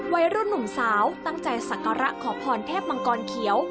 วัยรุ่นหนุ่มสาวตั้งใจสักการะขอพรเทพมังกรเขียว